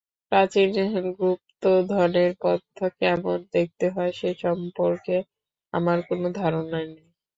প্রাচীন গুপ্তধনের পথ কেমন দেখতে হয়, সেসম্পর্কে আমার কোনো ধারণা নেই।